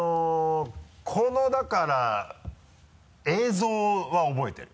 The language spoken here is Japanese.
このだから映像は覚えてる。